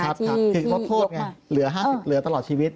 คือลดโทษไงเหลือ๕๐เหลือตลอดชีวิต